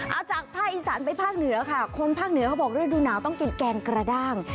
เอาจากภาคอีสานไปภาคเหนือค่ะคนภาคเหนือเขาบอกฤดูหนาวต้องกินแกงกระด้าง